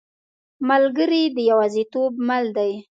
ملګری د یوازیتوب مل دی.